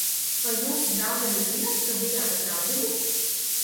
Vai jūsu draudzene zina, ka bijām uz randiņu?